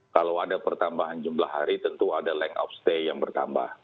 kalau ada pertambahan jumlah hari tentu ada lengk of stay yang bertambah